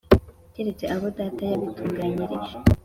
keretse abo Data yabitunganyirije